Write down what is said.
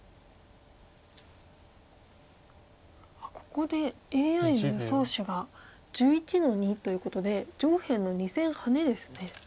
ここでＡＩの予想手が１１の二ということで上辺の２線ハネですね。